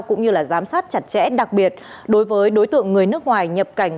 cũng như giám sát chặt chẽ đặc biệt đối với đối tượng người nước ngoài nhập cảnh